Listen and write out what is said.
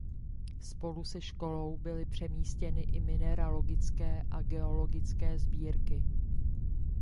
Spolu se školou byly přemístěny i mineralogické a geologické sbírky.